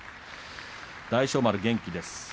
大翔丸が元気です